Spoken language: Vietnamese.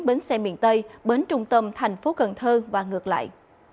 bến xe miền tây bến trung tâm thành phố cần thơ và ngược lại